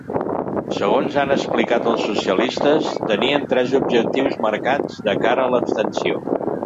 Segons han explicat els socialistes, tenien tres objectius marcats de cara a l’abstenció.